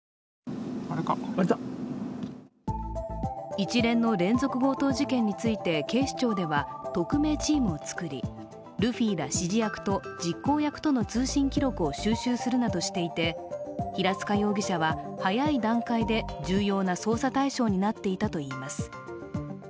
一連の連続強盗事件について警視庁では特命チームを作りルフィら指示役と実行役との通信記録を収集するなどしていて、平塚容疑者は、早い段階で重要な捜査対象になっていたといいます。